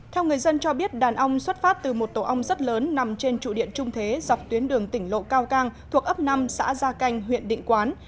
theo người dân cho biết đàn ong xuất phát từ một tổ ong rất lớn nằm trên trụ điện trung thế dọc tuyến đường tỉnh lộ cao cang thuộc ấp năm xã gia canh huyện định quán